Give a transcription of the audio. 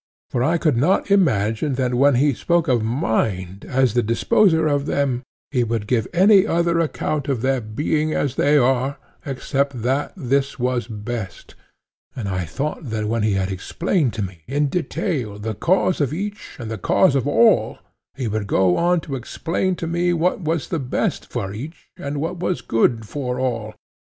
For I could not imagine that when he spoke of mind as the disposer of them, he would give any other account of their being as they are, except that this was best; and I thought that when he had explained to me in detail the cause of each and the cause of all, he would go on to explain to me what was best for each and what was good for all.